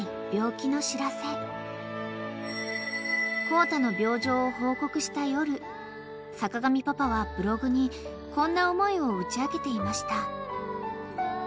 ［コウタの病状を報告した夜坂上パパはブログにこんな思いを打ち明けていました］